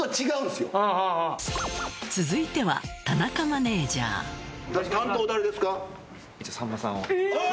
続いては田中マネジャーあ！